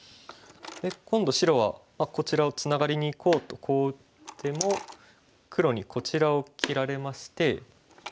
今度白はこちらをツナがりにいこうとこう打っても黒にこちらを切られまして。